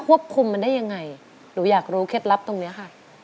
ควบคุมมันได้ยังไงหนูอยากรู้เคล็ดลับตรงนี้ค่ะ